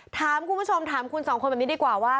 ถามคุณผู้ชมถามคุณสองคนแบบนี้ดีกว่าว่า